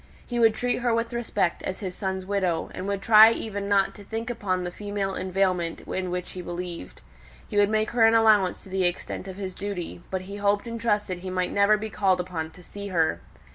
He would treat her with respect as his son's widow, and would try even not to think upon the female inveiglement in which he believed. He would make her an allowance to the extent of his duty: but he hoped and trusted he might never be called upon to see her.